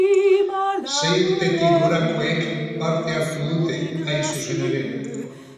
Sei urtetik gorakoek parte hartu dute, hain zuzen ere.